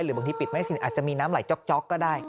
บางทีปิดไม่สิ้นอาจจะมีน้ำไหลจ๊อกก็ได้